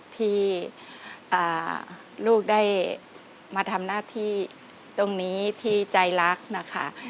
ที่ลูกได้มาทำหน้าที่ตรงนี้ที่ใจรักนะคะ